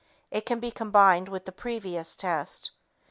It can be combined with the previous test.